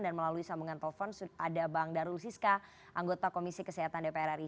dan melalui sambungan telepon sudah ada bang darul siska anggota komisi kesehatan dpr ri